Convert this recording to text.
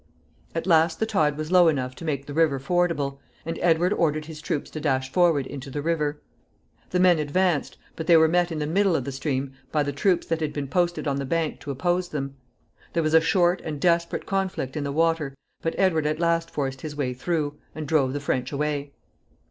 At last the tide was low enough to make the river fordable, and Edward ordered his troops to dash forward into the river. The men advanced, but they were met in the middle of the stream by the troops that had been posted on the bank to oppose them. There was a short and desperate conflict in the water, but Edward at last forced his way through, and drove the French away.